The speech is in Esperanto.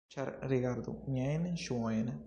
Ĉar, rigardu miajn ŝuojn: